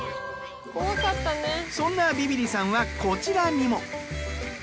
そんなビビリさんはこちらにも。